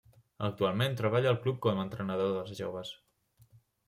Actualment treballa al club com a entrenador dels joves.